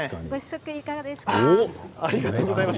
ご試食いかがですか？